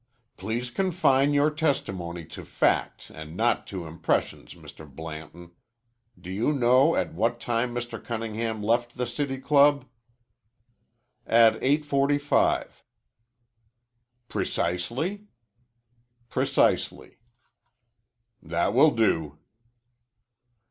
"Please confine your testimony to facts and not to impressions, Mr. Blanton. Do you know at what time Mr. Cunningham left the City Club?" "At 8.45." "Precisely?" "Precisely." "That will do."